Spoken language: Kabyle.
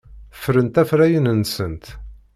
Ffrent afrayen-nsent.